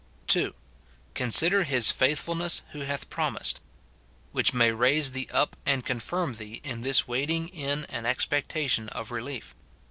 f (2.) Consider his faithfulness who hath promised ; which may raise thee up and confirm thee in this waiting in an expectation of relief.